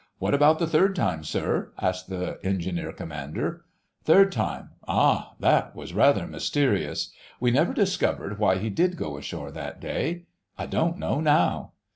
"What about the third time, sir?" asked the Engineer Commander. "Third time—ah, that was rather mysterious. We never discovered why he did go ashore that day. I don't know now."